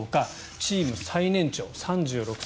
チームの最年長３６歳。